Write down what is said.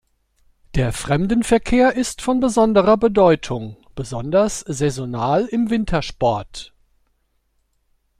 Der Fremdenverkehr ist von besonderer Bedeutung, besonders saisonal im Wintersport.